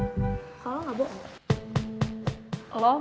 kalau gak bohong